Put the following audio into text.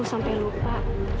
kamu sampai lupa